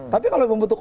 tapi kalau membentuk